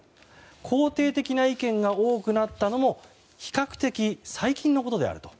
肯定的な意見が多くなったのも比較的、最近のことであると。